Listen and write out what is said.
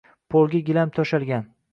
Polga gilam tushalgan.